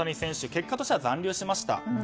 結果としては残留しました。